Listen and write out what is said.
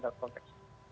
dalam konteks ini